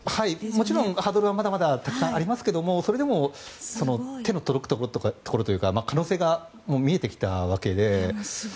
もちろんハードルはまだまだありますけどもそれでも手の届くところというか可能性が見えてきたわけで。